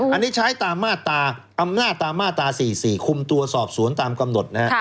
อันนี้ใช้ตามมาตราอำนาจตามมาตรา๔๔คุมตัวสอบสวนตามกำหนดนะฮะ